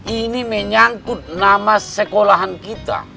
ini menyangkut nama sekolahan kita